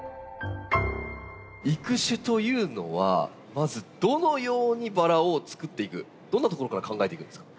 育種というのはまずどのようにバラをつくっていくどんなところから考えていくんですか？